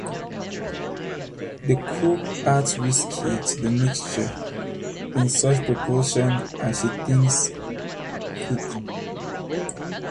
The cook adds whisky to the mixture in such proportion as she thinks fit.